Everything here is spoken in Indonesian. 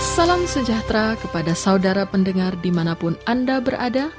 salam sejahtera kepada saudara pendengar dimanapun anda berada